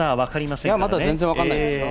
まだ全然、分からないですよ